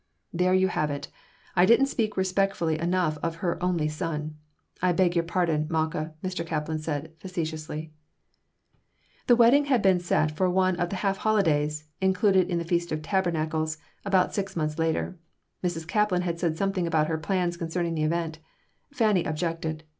"There you have it! I didn't speak respectfully enough of her 'only son.' I beg your pardon, Malkah," Mr. Kaplan said, facetiously The wedding had been set for one of the half holidays included in the Feast of Tabernacles, about six months later. Mrs. Kaplan said something about her plans concerning the event. Fanny objected.